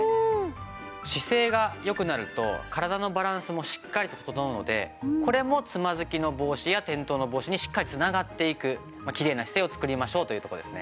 姿勢が良くなると体のバランスもしっかりと整うのでこれもつまずきの防止や転倒の防止にしっかり繋がっていくきれいな姿勢を作りましょうというとこですね。